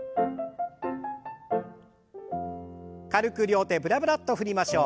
軽く両手ブラブラッと振りましょう。